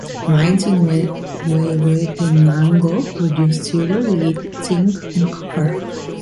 Mines in Huehuetenango produce silver, lead, zinc and copper.